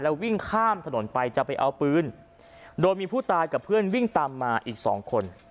วิ่งข้ามถนนไปจะไปเอาปืนโดยมีผู้ตายกับเพื่อนวิ่งตามมาอีกสองคน